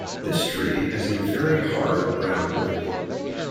This tree has a very hard brown wood.